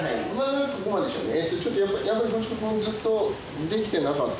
まずここまでにしようね。